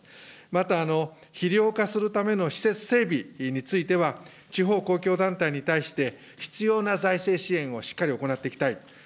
また、肥料化するための施設整備については、地方公共団体に対して、必要な財政支援をしっかり行っていきたい。